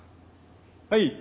はい。